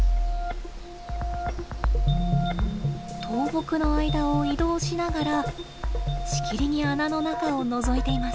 倒木の間を移動しながらしきりに穴の中をのぞいています。